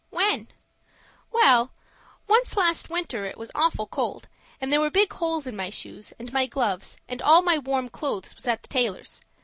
"When?" "Well, once last winter it was awful cold, and there was big holes in my shoes, and my gloves and all my warm clothes was at the tailor's.